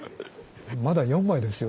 まだ４枚ですよ。